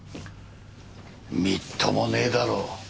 みっともねえだろ